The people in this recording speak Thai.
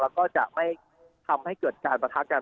แล้วก็จะไม่ทำให้เกิดการประทะกัน